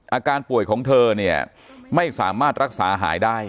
อาการป่วยของเธอเนี่ยไม่สามารถรักษาหายได้